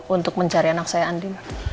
untuk mencari anak saya andi